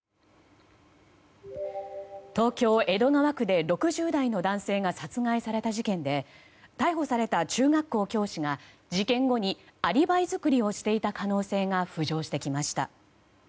東京・江戸川区で６０代の男性が殺害された事件で逮捕された中学校教師が事件後にアリバイ作りをしていた可能性が浮上してきました。